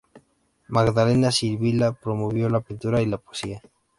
Magdalena Sibila promovió la pintura y la poesía.